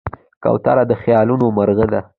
کوتره د خیالونو مرغه ده.